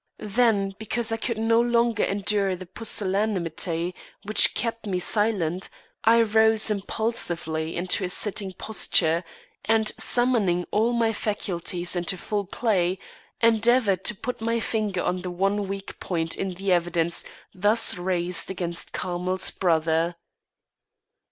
Then, because I could no longer endure the pusillanimity which kept me silent, I rose impulsively into a sitting posture, and, summoning all my faculties into full play, endeavoured to put my finger on the one weak point in the evidence thus raised against Carmel's brother.